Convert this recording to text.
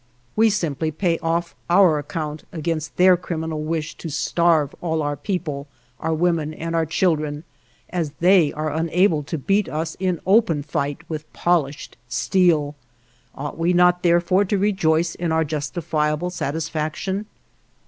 We simply pay off our account against their criminal wish to starve all our people, our women, and our children, as they are unable to beat us in open fight with polished steel. Ought we not therefore to rejoice in our justifiable satisfaction?